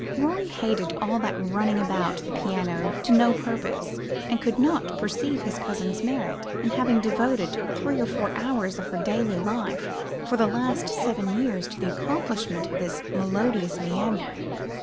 Rorie hated all that running about the piano to no purpose, and could not perceive his cousin's merit in having devoted three or four hours of her daily life for the last seven years to the accomplishment of this melodious meandering.